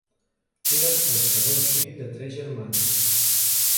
Era el segon fill de tres germans.